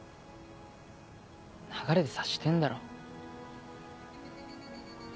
流れで察してんだろ。